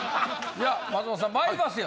じゃあ松本さんまいりますよ